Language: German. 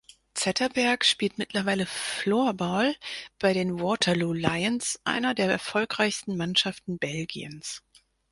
Zetterberg spielt mittlerweile Floorball bei den Waterloo Lions, einer der erfolgreichsten Mannschaften Belgiens.